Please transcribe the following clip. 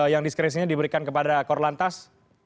yang diskresinya diberikan kepada korlantas